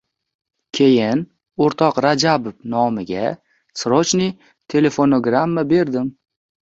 Keyin, o‘rtoq Rajabov nomiga srochniy telefonogramma berdim.